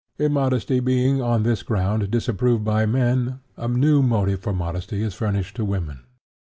Immodesty being, on this ground, disapproved by men, a new motive for modesty is furnished to women.